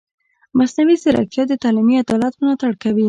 مصنوعي ځیرکتیا د تعلیمي عدالت ملاتړ کوي.